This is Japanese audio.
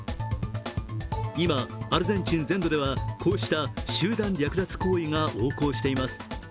今、アルゼンチン全土ではこうした集団略奪行為が横行しています。